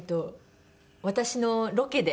私のロケで。